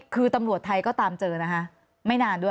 คือตำรวจไทยก็ตามเจอนะคะไม่นานด้วย